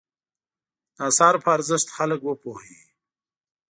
د اثارو په ارزښت خلک وپوهوي.